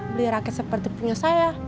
beli raket seperti punya saya